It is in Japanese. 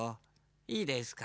いいですか。